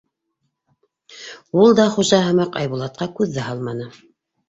Ул да, хужаһы һымаҡ, Айбулатҡа күҙ ҙә һалманы.